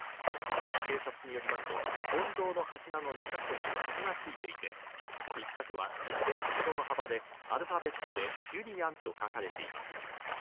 警察によりますと、金堂の柱の２か所に傷がついていて、１か所は１０センチほどの幅で、アルファベットでＪｕｌｉａｎと書かれていました。